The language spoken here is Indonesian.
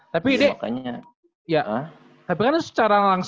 tapi kan secara langsung secara gak langsung kan lu udah udah